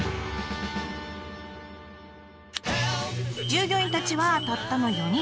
従業員たちはたったの４人。